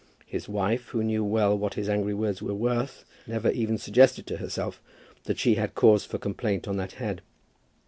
His wife, who knew well what his angry words were worth, never even suggested to herself that she had cause for complaint on that head.